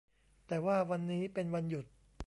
แต่ว่าวันนี้เป็นวันหยุด